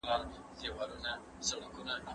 هغه وليدی .